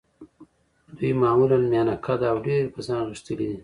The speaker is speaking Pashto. دوی معمولاً میانه قده او ډېر په ځان غښتلي دي.